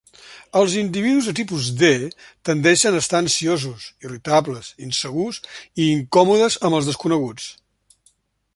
Els individus de tipus D tendeixen a estar ansiosos, irritables, insegurs i incòmodes amb els desconeguts.